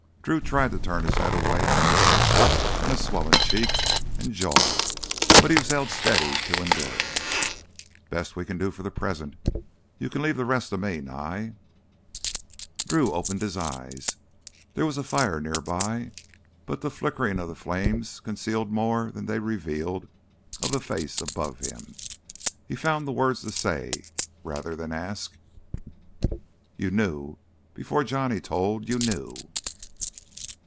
Drew tried to turn his head away from the touch on his swollen cheek and jaw, but he was held steady to endure it. "Best we can do for the present. You can leave the rest to me, Nye." Drew opened his eyes. There was a fire near by, but the flickering of the flames concealed more than they revealed of the face above him. He found the words to say rather than ask: "You knew ... before Johnny told ... you knew...."